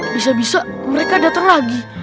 bisa bisa mereka datang lagi